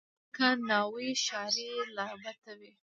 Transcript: ته لکه ناوۍ، ښاري لعبته وې